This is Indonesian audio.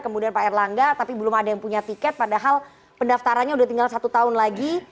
kemudian pak erlangga tapi belum ada yang punya tiket padahal pendaftarannya udah tinggal satu tahun lagi